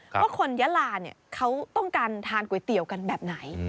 ว่าคนยาลาเขาต้องการทานก๋วยเตี๋ยวกันแบบไหน